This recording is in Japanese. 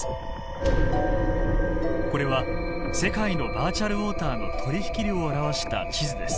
これは世界のバーチャルウォーターの取引量を表した地図です。